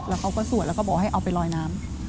แล้วเขาก็สวดแล้วก็บอกให้เอาไปลอยน้ำ